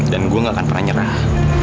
dan gue gak akan pernah nyerah